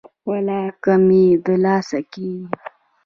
ولاکه مې د لاسه کیږي.